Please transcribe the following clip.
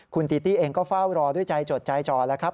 คุณตีตี้เองก็เฝ้ารอด้วยใจจดใจจ่อแล้วครับ